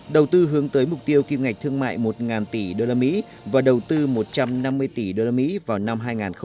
đầu tư hướng tới mục tiêu kim ngạch thương mại một tỷ usd và đầu tư một trăm năm mươi tỷ usd vào năm hai nghìn hai mươi